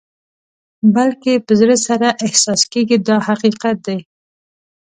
بلکې په زړه سره احساس کېږي دا حقیقت دی.